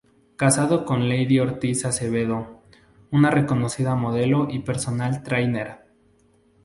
Casado con Leidy Ortiz Acevedo, una reconocida modelo y personal trainer.